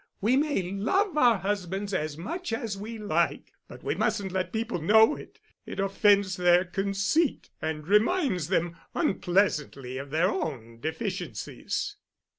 We may love our husbands as much as we like, but we mustn't let people know it. It offends their conceit and reminds them unpleasantly of their own deficiencies."